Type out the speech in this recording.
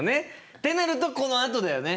ってなるとこのあとだよね。